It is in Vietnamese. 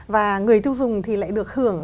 và người tiêu dùng thì lại được hưởng